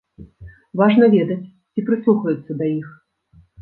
Важна ведаць, ці прыслухаюцца да іх.